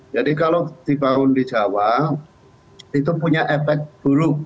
jadi kalau dibangun di jawa itu punya efek buruk